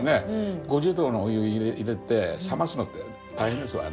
５０℃のお湯入れて冷ますのって大変ですわね。